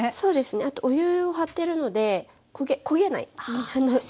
あとお湯を張っているので焦げない。